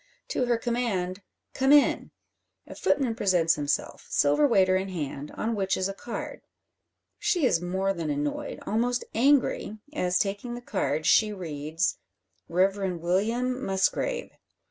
To her command "Come in!" a footman presents himself, silver waiter in hand, on which is a card. She is more than annoyed, almost angry, as taking the card, she reads "Reverend William Musgrave."